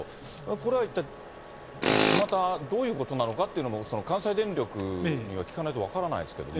これは一体またどういうことなのかというのも、関西電力に聞かないと分からないですけれども。